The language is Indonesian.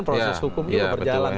proses hukum itu berjalan gitu loh